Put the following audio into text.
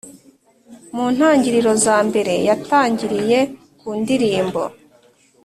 mu ntangiriro za mbere yatangiriye ku ndirimbo